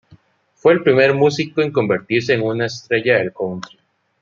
Fue el primer músico en convertirse en una estrella del country.